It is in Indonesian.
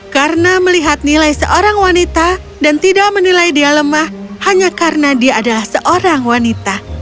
karena melihat nilai seorang wanita dan tidak menilai dia lemah hanya karena dia adalah seorang wanita